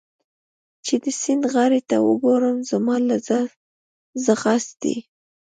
چې د سیند غاړې ته وګورم، زما له ځغاستې.